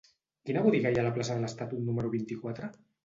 Quina botiga hi ha a la plaça de l'Estatut número vint-i-quatre?